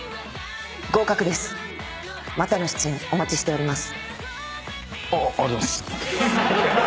またの出演お待ちしております。